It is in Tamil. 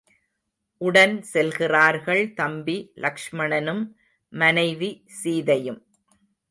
உடன் செல்கிறார்கள் தம்பி லக்ஷ்மணனும் மனைவி சீதையும்.